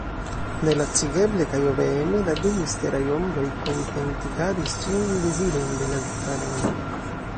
Nelacigeble kaj obeeme la du misteraj ombroj kontentigadis ĉiujn dezirojn de Lazaroni.